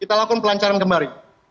kita lakukan pelancaran kembali